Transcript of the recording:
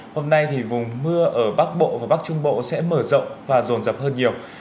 hôm nay thì vùng mưa ở bắc bộ và bắc trung bộ sẽ mở rộng và rồn rập hơn nhiều